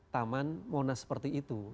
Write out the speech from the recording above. taman monas seperti itu